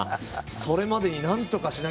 それまでになんとかしなきゃ。